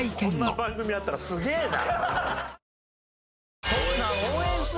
こんな番組あったらすげえな。